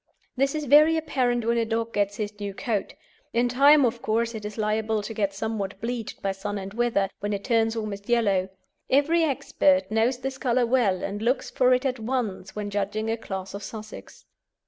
This is very apparent when a dog gets his new coat. In time, of course, it is liable to get somewhat bleached by sun and weather, when it turns almost yellow. Every expert knows this colour well, and looks for it at once when judging a class of Sussex.